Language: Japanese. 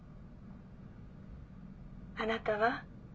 ☎あなたは？